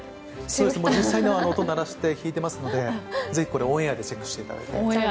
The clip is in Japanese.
実際に音を鳴らして弾いていますのでオンエアでチェックしていただいて。